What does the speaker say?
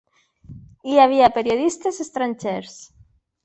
Hi havia periodistes estrangers